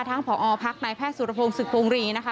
ทั้งพอพนายแพทย์สุรพงศ์ศึกพงษ์รีนะคะ